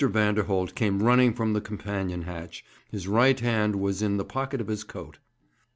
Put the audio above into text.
Vanderholt came running from the companion hatch. His right hand was in the pocket of his coat.